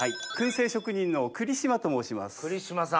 燻製職人の栗島と申します。